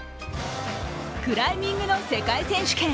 クライミングの世界選手権。